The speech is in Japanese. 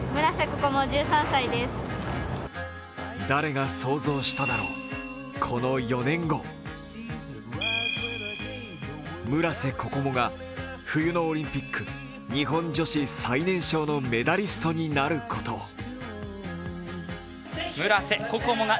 誰が想像しただろう、この４年後、村瀬心椛が冬のオリンピック日本女子最年少のメダリストになることを。